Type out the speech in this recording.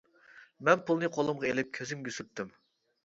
مەن پۇلنى قولۇمغا ئېلىپ كۆزۈمگە سۈرتتۈم.